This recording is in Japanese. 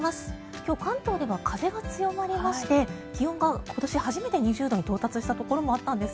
今日、関東では風が強まりまして気温が今年初めて２０度に到達したところもあったんです。